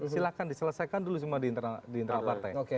silahkan diselesaikan dulu semua di internal partai